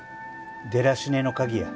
デラシネの鍵や。